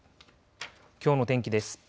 きょうの天気です。